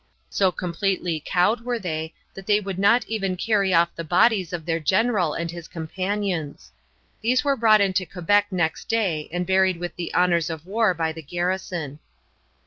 So completely cowed were they that they would not even carry off the bodies of their general and his companions. These were brought into Quebec next day and buried with the honors of war by the garrison.